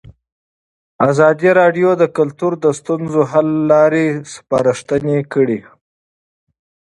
ازادي راډیو د کلتور د ستونزو حل لارې سپارښتنې کړي.